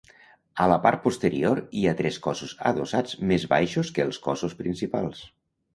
A la part posterior hi ha tres cossos adossats més baixos que els cossos principals.